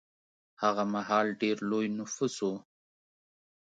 هغه مهال ډېر لوی نفوس و.